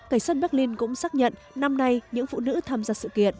cảnh sát berlin cũng xác nhận năm nay những phụ nữ tham gia sự kiện